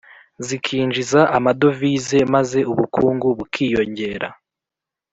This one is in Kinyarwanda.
zikinjiza amadovize maze ubukungu bukiyongera